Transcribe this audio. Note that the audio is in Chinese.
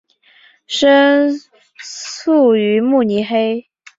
生卒于慕尼黑。